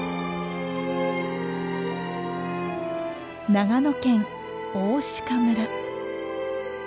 長野県大鹿村。